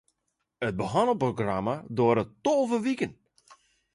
It behannelprogramma duorret tolve wiken.